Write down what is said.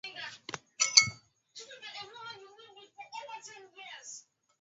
wakurugenzi watendaji wa benki kuu wanateuliwa na raisi